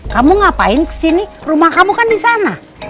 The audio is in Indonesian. kamu ngapain kesini rumah kamu kan disana